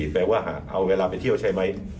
แปลว่าเอาเวลาไปเที่ยวใช่ไหม